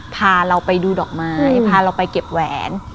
พาเราไปดูดอกไม้พาเราไปเก็บแหวน